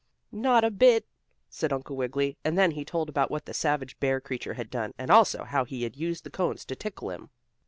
"Not a bit," said Uncle Wiggily, and then he told about what the savage bear creature had done, and also how he had used the cones to tickle him.